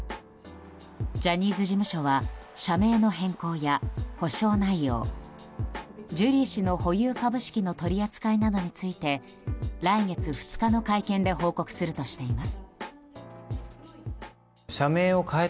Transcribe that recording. ジャニーズ事務所は社名の変更や補償内容ジュリー氏の保有株式の取り扱いなどについて来月２日の会見で報告するとしています。